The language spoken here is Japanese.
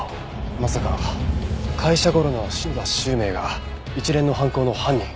まさか会社ゴロの篠田周明が一連の犯行の犯人？